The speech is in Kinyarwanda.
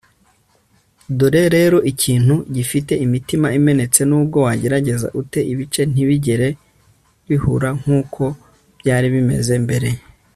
dore rero ikintu gifite imitima imenetse nubwo wagerageza ute, ibice ntibigera bihura nk'uko byari bimeze mbere